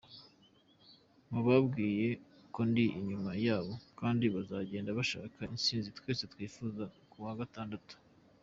Mubabwire ko ndi inyuma yabo kandi bazagende bashaka intsinzi twese twifuza kuwa Gatandatu.